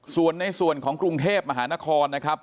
ส่วนในส่วนของกรุงเทพมหานครนะครับ